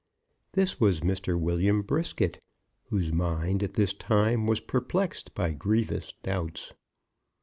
This was Mr. William Brisket, whose mind at this time was perplexed by grievous doubts.